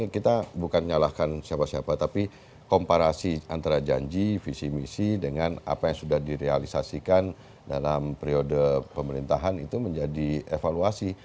kita bukan nyalahkan siapa siapa tapi komparasi antara janji visi misi dengan apa yang sudah direalisasikan dalam periode pemerintahan itu menjadi evaluasi